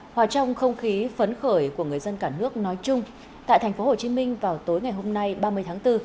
hòa trong không khí phấn khởi của người dân cả nước nói chung tại thành phố hồ chí minh vào tối ngày hôm nay ba mươi tháng bốn